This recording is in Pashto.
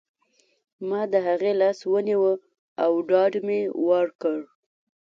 ما د هغې لاس ونیو او ډاډ مې ورکړ